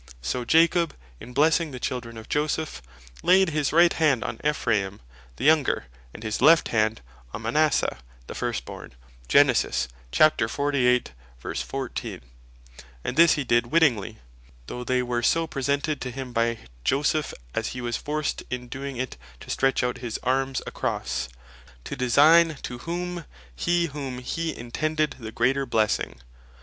So Jacob in blessing the children of Joseph (Gen. 48.14.) "Laid his right Hand on Ephraim the younger, and his left Hand on Manasseh the first born;" and this he did Wittingly (though they were so presented to him by Joseph, as he was forced in doing it to stretch out his arms acrosse) to design to whom he intended the greater blessing.